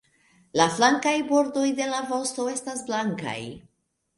La flankaj bordoj de la vosto estas blankaj.